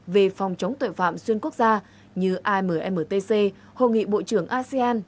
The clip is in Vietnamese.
về phòng chống tội phạm xuyên quốc gia như ammtc hội nghị bộ trưởng asean